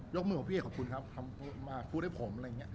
ยกมือมาขอบคุณครับมาพูดให้ผมเล่นแบบนี้